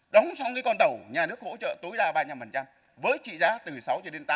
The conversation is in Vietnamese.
đóng xong cái con tàu nhà nước hỗ trợ tối đa ba mươi năm với trị giá từ sáu cho đến tám